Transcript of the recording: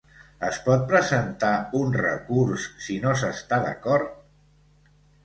Es pot presentar un recurs si no s'està d'acord?